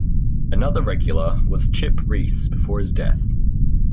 Another regular was Chip Reese before his death.